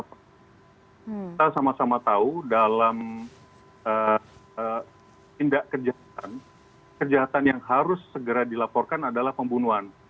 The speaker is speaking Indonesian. kita sama sama tahu dalam tindak kejahatan kejahatan yang harus segera dilaporkan adalah pembunuhan